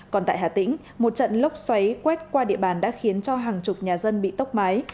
còn tại hà tĩnh một trận lốc xoáy quét qua địa bàn đã khiến cho hàng chục nhà dân bị tốc mái